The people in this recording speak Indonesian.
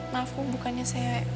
maaf bu bukannya saya